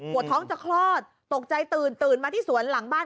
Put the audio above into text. ท้องจะคลอดตกใจตื่นตื่นมาที่สวนหลังบ้าน